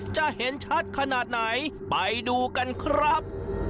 จะเห็นชัดขนาดไหนไปดูกันครับ